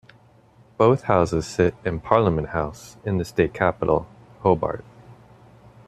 Both houses sit in Parliament House in the state capital, Hobart.